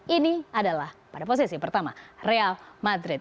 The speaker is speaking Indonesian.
ini adalah pada posisi pertama real madrid